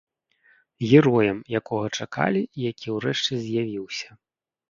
Героем, якога чакалі, і які ўрэшце з'явіўся.